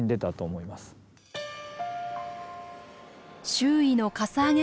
周囲のかさ上げ